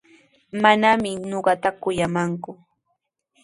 Manami ñuqata kuyamanku.